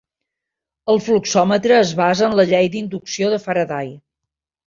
El fluxòmetre es basa en la Llei d’inducció de Faraday.